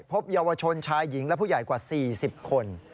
พบเยาวชนชายหญิงและผู้ใหญ่กว่า๔๐คน